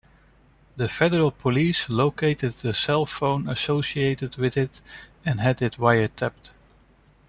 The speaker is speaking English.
The Federal Police located the cell phone associated with it and had it wiretapped.